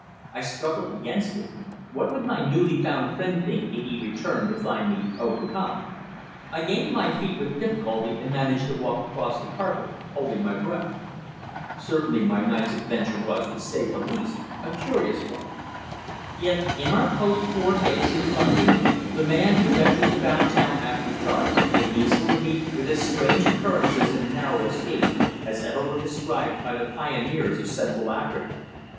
I struggled against it. What would my newly found friend think if he returned to find me overcome? I gained my feet with difficulty and managed to walk across the carpet, holding my breath. Certainly my night's adventure was, to say the least, a curious one. Yet in our post war days in London the man who ventures about town after dark can easily meet with as strange occurrences and narrow escapes as ever were described by the pioneers of Central Africa.